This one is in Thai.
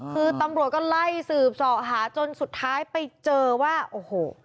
คือตำรวจก็ไล่สืบส่อหาจนสุดท้ายไปเจอว่าโอ้โห